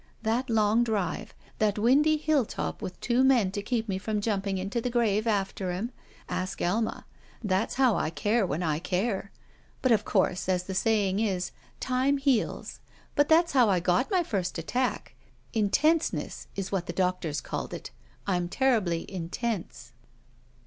That long drive. That windy hilltop with two men to keep me from jumping into the grave ^ter him. Ask Alma. That's how I care when I care. But, of course, as the saying is, 'time heals.' But that's how I got my first attack. 'Intenseness' is what the doctors called it. I'm terribly intense."